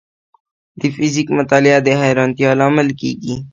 د فزیک مطالعه د حیرانتیا لامل کېږي.